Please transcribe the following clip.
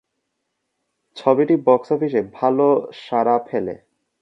ছবিটি বক্স অফিসে ভালো সারা ফেলে।